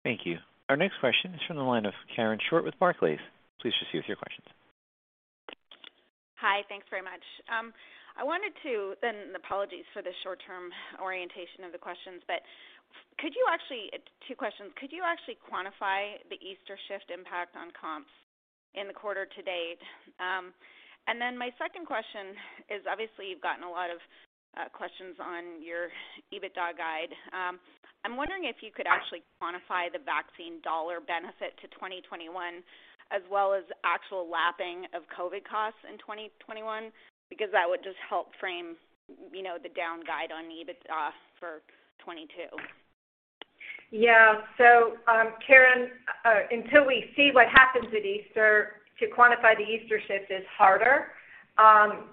Thank you. Our next question is from the line of Karen Short with Barclays. Please proceed with your questions. Hi. Thanks very much. Apologies for the short-term orientation of the questions. Two questions. Could you quantify the Easter shift impact on comps in the quarter to date? My second question is, obviously, you've gotten a lot of questions on your EBITDA guide. I'm wondering if you could actually quantify the vaccine dollar benefit to 2021, as well as actual lapping of COVID costs in 2021, because that would just help frame, you know, the down guide on EBITDA for 2022. Yeah. Karen, until we see what happens at Easter, to quantify the Easter shift is harder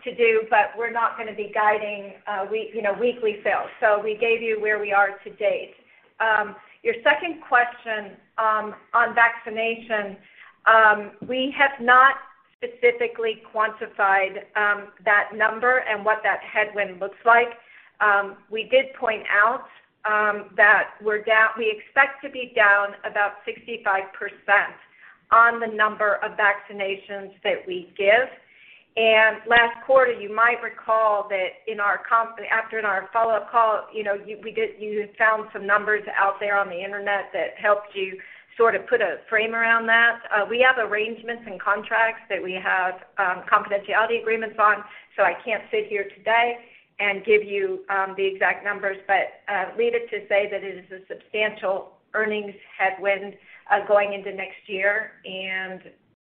to do, but we're not gonna be guiding weekly sales. We gave you where we are to date. Your second question on vaccination, we have not specifically quantified that number and what that headwind looks like. We did point out that we expect to be down about 65% on the number of vaccinations that we give. Last quarter, you might recall that in our follow-up call, you know, you found some numbers out there on the Internet that helped you sort of put a frame around that. We have arrangements and contracts that we have confidentiality agreements on, so I can't sit here today and give you the exact numbers. Suffice it to say that it is a substantial earnings headwind going into next year, and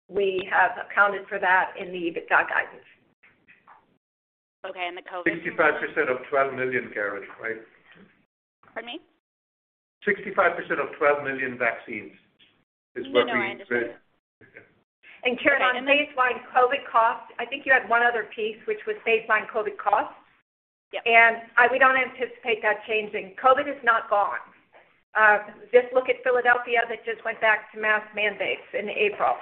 we have accounted for that in the EBITDA guidance. Okay. The COVID- 65% of 12 million, Karen, right? Pardon me? 65% of 12 million vaccines is what we said. No, I understand. Karen, on baseline COVID costs, I think you had one other piece which was baseline COVID costs. Yeah. We don't anticipate that changing. COVID is not gone. Just look at Philadelphia that just went back to mask mandates in April,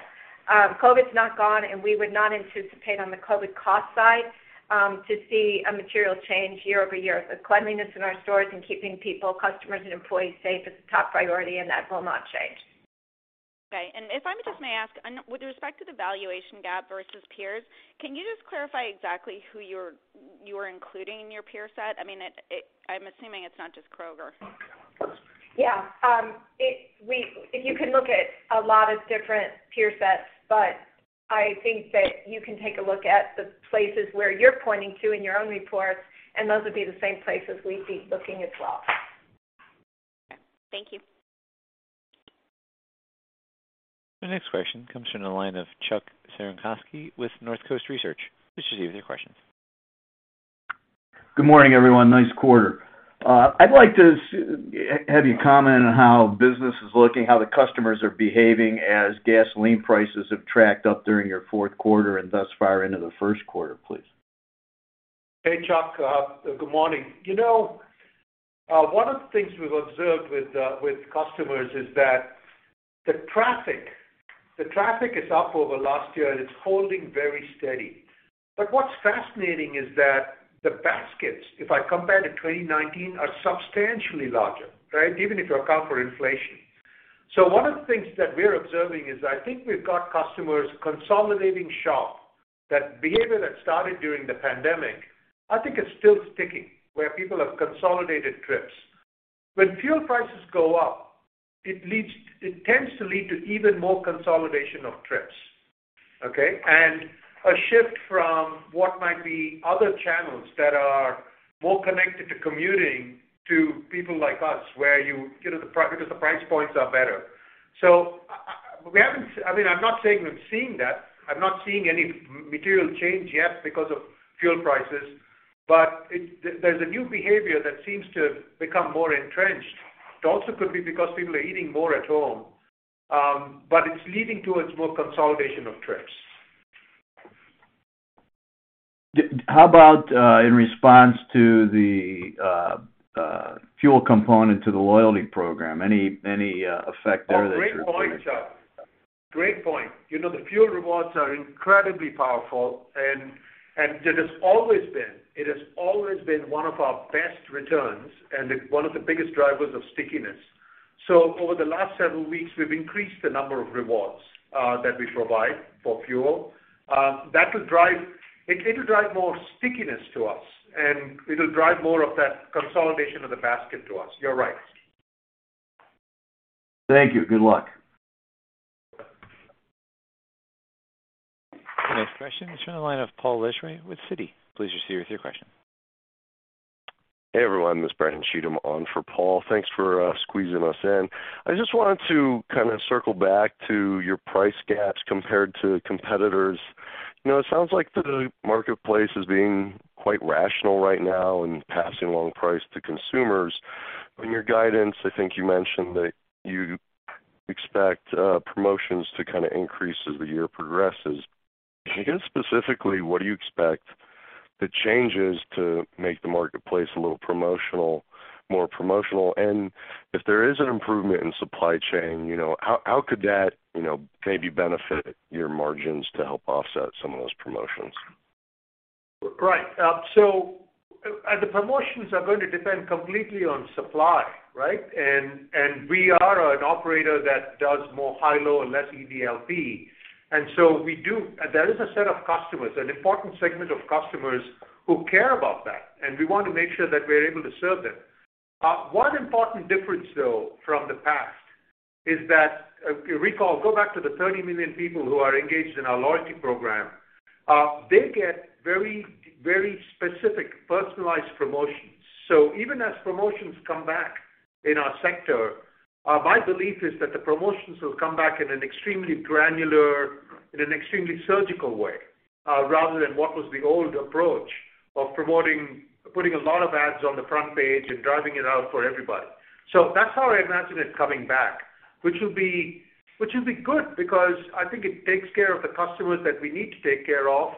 COVID's not gone, and we would not anticipate on the COVID cost side, to see a material change year-over-year. The cleanliness in our stores and keeping people, customers, and employees safe is a top priority, and that will not change. Okay. If I just may ask, with respect to the valuation gap-versus-peers, can you just clarify exactly who you are including in your peer set? I mean, I'm assuming it's not just Kroger. Yeah. You can look at a lot of different peer sets, but I think that you can take a look at the places where you're pointing to in your own report, and those would be the same places we'd be looking as well. Okay. Thank you. The next question comes from the line of Chuck Cerankosky with Northcoast Research. Please proceed with your question. Good morning, everyone. Nice quarter. I'd like to have you comment on how business is looking, how the customers are behaving as gasoline prices have tracked up during your fourth quarter and thus far into the first quarter, please. Hey, Chuck, good morning. You know, one of the things we've observed with customers is that the traffic is up over last year, and it's holding very steady. What's fascinating is that the baskets, if I compare to 2019, are substantially larger, right? Even if you account for inflation. One of the things that we're observing is I think we've got customers consolidating shop. That behavior that started during the pandemic, I think it's still sticking, where people have consolidated trips. When fuel prices go up, it tends to lead to even more consolidation of trips, okay? A shift from what might be other channels that are more connected to commuting to people like us, where you know, because the price points are better. I mean, I'm not saying we've seen that. I'm not seeing any material change yet because of fuel prices. There's a new behavior that seems to have become more entrenched. It also could be because people are eating more at home, but it's leading towards more consolidation of trips. How about in response to the fuel component to the loyalty program? Any effect there that you're- Oh, great point, Chuck. Great point. You know, the fuel rewards are incredibly powerful and it has always been one of our best returns and one of the biggest drivers of stickiness. Over the last several weeks, we've increased the number of rewards that we provide for fuel. That will drive more stickiness to us, and it'll drive more of that consolidation of the basket to us. You're right. Thank you. Good luck. The next question is from the line of Paul Lejuez with Citigroup. Please proceed with your question. Hey, everyone. This is Brandon Cheatham on for Paul. Thanks for squeezing us in. I just wanted to kind of circle back to your price gaps compared to competitors. You know, it sounds like the marketplace is being quite rational right now and passing along price to consumers. In your guidance, I think you mentioned that you expect promotions to kind of increase as the year progresses. Can you give specifically what you expect the changes to make the marketplace a little promotional, more promotional? And if there is an improvement in supply chain, you know, how could that, you know, maybe benefit your margins to help offset some of those promotions? Right. The promotions are going to depend completely on supply, right? We are an operator that does more Hi-Lo and less EDLP. There is a set of customers, an important segment of customers who care about that, and we want to make sure that we're able to serve them. One important difference, though, from the past is that if you recall, go back to the 30 million people who are engaged in our loyalty program. They get very, very specific personalized promotions. Even as promotions come back in our sector, my belief is that the promotions will come back in an extremely granular, in an extremely surgical way, rather than what was the old approach of promoting, putting a lot of ads on the front page and driving it out for everybody. That's how I imagine it coming back, which will be good because I think it takes care of the customers that we need to take care of,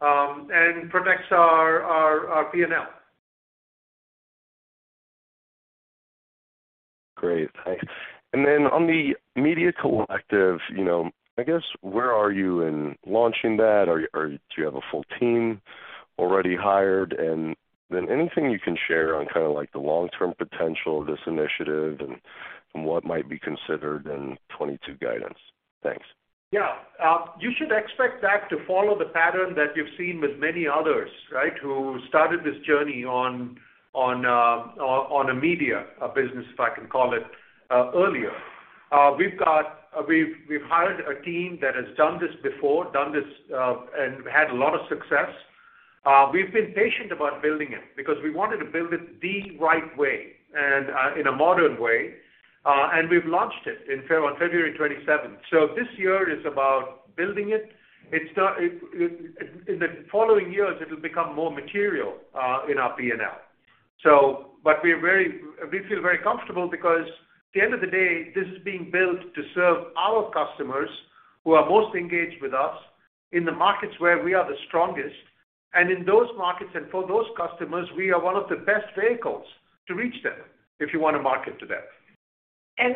and protects our P&L. Great. Thanks. On the Media Collective, you know, I guess, where are you in launching that? Do you have a full team already hired? Anything you can share on kind of like the long-term potential of this initiative and what might be considered in 2022 guidance? Thanks. Yeah. You should expect that to follow the pattern that you've seen with many others, right, who started this journey on a media business, if I can call it, earlier. We've hired a team that has done this before and had a lot of success. We've been patient about building it because we wanted to build it the right way and in a modern way. We've launched it on February 27th. This year is about building it. In the following years, it will become more material in our P&L. We feel very comfortable because at the end of the day, this is being built to serve our customers who are most engaged with us in the markets where we are the strongest. In those markets and for those customers, we are one of the best vehicles to reach them if you wanna market to them.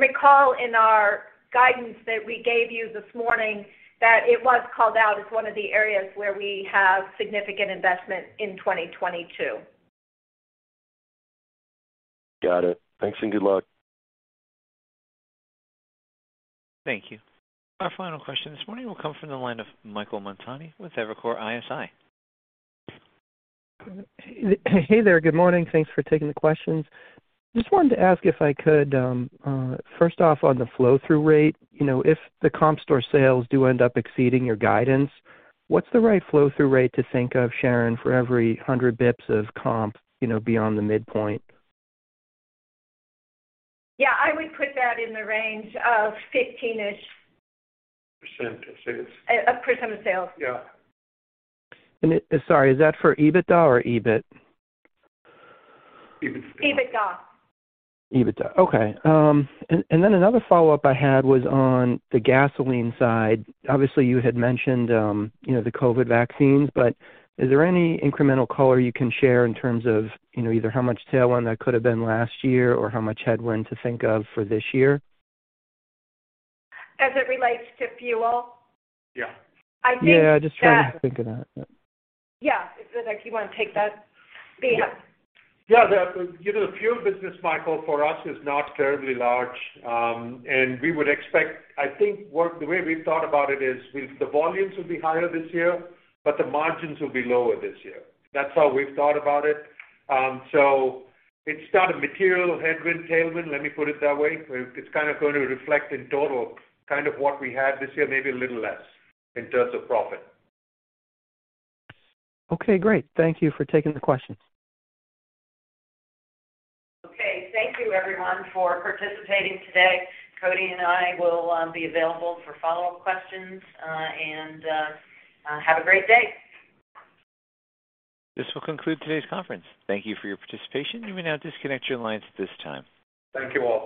Recall in our guidance that we gave you this morning that it was called out as one of the areas where we have significant investment in 2022. Got it. Thanks and good luck. Thank you. Our final question this morning will come from the line of Michael Montani with Evercore ISI. Hey there. Good morning. Thanks for taking the questions. Just wanted to ask if I could first off on the flow-through rate, you know, if the comp store sales do end up exceeding your guidance, what's the right flow-through rate to think of, Sharon, for every 100 basis points of comp, you know, beyond the midpoint? Yeah, I would put that in the range of 15%-ish. Percent of sales. Of percent of sales. Yeah. Sorry, is that for EBITDA or EBIT? EBITDA. EBITDA. EBITDA. Okay. Another follow-up I had was on the gasoline side. Obviously, you had mentioned, you know, the COVID vaccines, but is there any incremental color you can share in terms of, you know, either how much tailwind that could have been last year or how much headwind to think of for this year? As it relates to fuel? Yeah. I think that. Yeah, just trying to think of that. Yeah. If you wanna take that, Ian. Yeah. The, you know, the fuel business, Michael, for us is not terribly large. We would expect the way we thought about it is the volumes will be higher this year, but the margins will be lower this year. That's how we've thought about it. It's not a material headwind, tailwind, let me put it that way. It's kind of going to reflect in total kind of what we had this year, maybe a little less in terms of profit. Okay, great. Thank you for taking the questions. Okay. Thank you everyone for participating today. Cody and I will be available for follow-up questions, and have a great day. This will conclude today's conference. Thank you for your participation. You may now disconnect your lines at this time. Thank you all.